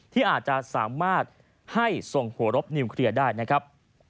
ที่อาจจะสามารถให้ส่งหัวรบนิวเคลียร์ได้นะครับ